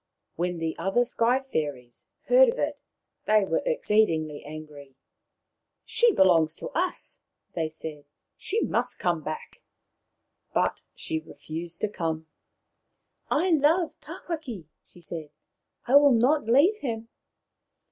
When the other Sky fairies heard of it they were exceedingly angry. " She belongs to us," they said. " She must come back." But she refused to come. " I love Tawhaki," she said. " I will not leave him."